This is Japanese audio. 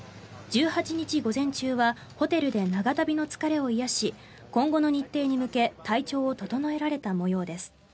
１８日午前中はホテルで長旅の疲れを癒やし今後の日程に向け体調を整えられた模様です。